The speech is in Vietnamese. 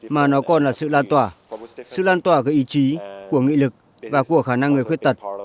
mà nó còn là sự lan tỏa sự lan tỏa về ý chí của nghị lực và của khả năng người khuyết tật